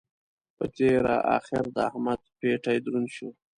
په تېره اخېر د احمد پېټی دروند شو.